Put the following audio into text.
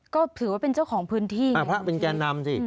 ก็ถือว่าเป็นเจ้าของพื้นที่อ่าพระเป็นแก่นำสิ